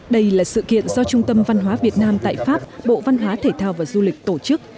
đây là sự kiện do trung tâm văn hóa việt nam tại pháp bộ văn hóa thể thao và du lịch tổ chức